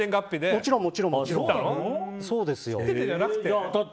もちろん、もちろんそうですよ。